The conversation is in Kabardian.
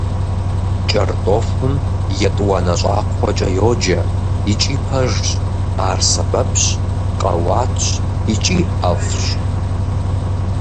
КӀэртӀофым «етӀуанэ щӀакхъуэкӀэ» йоджэ, икӀи пэжщ, ар сэбэпщ, къэуатщ икӀи ӀэфӀщ.